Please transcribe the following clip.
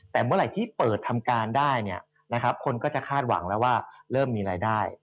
แต่เมื่อไหร่ที่เปิดทำการได้คนก็จะคาดหวังแล้วว่าเริ่มมีรายได้